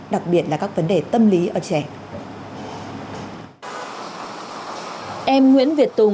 đặc biệt là các vấn đề tâm lý ở trẻ em nguyễn việt tùng